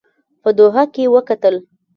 په دوحه کې وکتل.